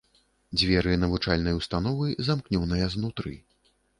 Дзверы навучальнай установы замкнёныя знутры.